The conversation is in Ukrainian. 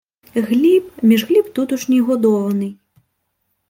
— Гліб, між Гліб тутушній годований.